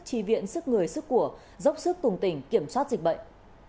tri viện sức người sức của dốc sức tùng tỉnh kiểm soát dịch bệnh